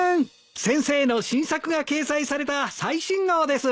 先生の新作が掲載された最新号です。